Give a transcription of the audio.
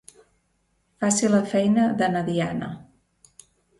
Faci la feina de na Diana.